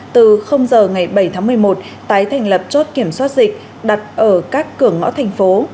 từ giờ ngày bảy tháng một mươi một tái thành lập chốt kiểm soát dịch đặt ở các cửa ngõ thành phố